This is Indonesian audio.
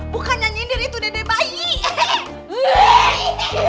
bukan nyanyiin diri itu dede bayi